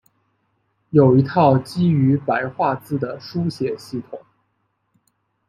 有一套基于白话字的书写系统。